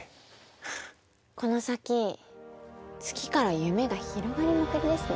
この先月から夢が広がりまくりですね。